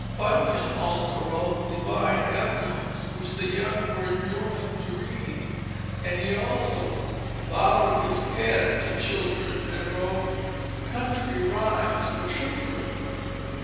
Bunyan also wrote Divine Emblems, which the young were enjoined to read, and he also "bowed his pen to children" and wrote Country Rhimes for Children.